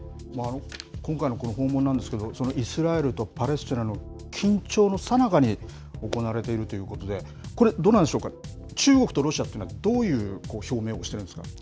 今回のこの訪問なんですけど、そのイスラエルとパレスチナの緊張のさなかに行われているということで、これ、どうなんでしょうか、中国とロシアっていうのはどういう表明をしているんでしょうか。